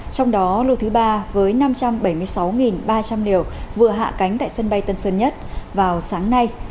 trong đó lưu thứ ba với năm trăm bảy mươi sáu ba trăm linh liều vừa hạ cánh tại sân bay tân sơn nhất vào sáng nay